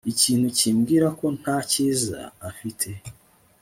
Ikintu kimbwira ko nta cyiza afite